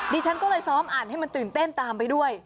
ดิฉันก็เลยซ้อมอ่านให้มันตื่นเต้นตามไปด้วย